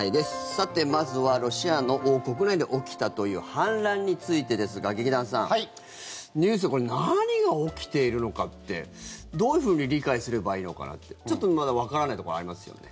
さて、まずはロシアの国内で起きたという反乱についてですが劇団さん、ニュースでこれ、何が起きているのかってどういうふうに理解すればいいのかなってちょっとまだわからないところありますよね。